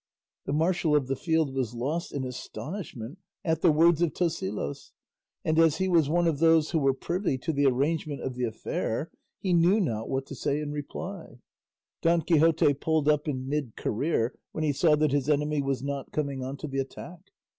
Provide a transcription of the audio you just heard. The marshal of the field was lost in astonishment at the words of Tosilos; and as he was one of those who were privy to the arrangement of the affair he knew not what to say in reply. Don Quixote pulled up in mid career when he saw that his enemy was not coming on to the attack.